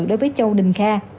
đối với châu đình kha